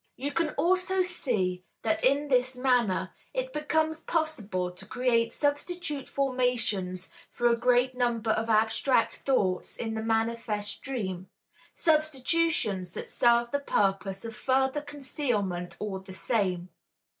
You can also see that in this manner it becomes possible to create substitute formations for a great number of abstract thoughts in the manifest dream, substitutions that serve the purpose of further concealment all the same.